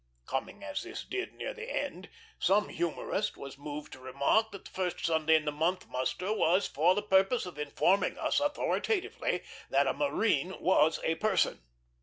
Coming as this did near the end, some humorist was moved to remark that the first Sunday in the month muster was for the purpose of informing us authoritatively that a marine was a person.